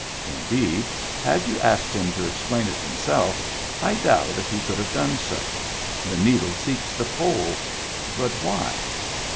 Indeed, had you asked him to explain it himself, I doubt if he could have done so : the needle seeks the pole — but why?